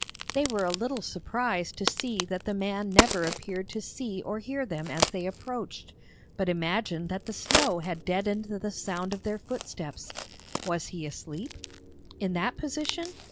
They were a little surprised that the man never appeared to see or hear them as they approached, but imagined that the snow had deadened the sound of their footsteps. Was he asleep? In that position?